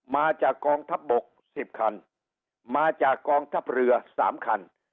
มาจากกองทัพบก๑๐คันมาจากกองทัพเรือ๓คัน